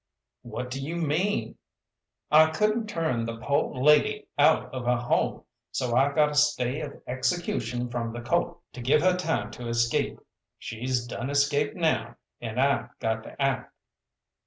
"What do you mean?" "I couldn't turn the po' lady out of her home, so I got a stay of execution from the Court, to give her time to escape. She's done escaped now, and I got to act."